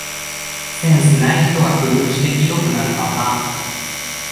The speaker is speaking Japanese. センスない人が工夫してひどくなるパターン